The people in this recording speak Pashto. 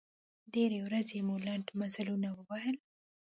ډېرې ورځې مو لنډ مزلونه ووهل.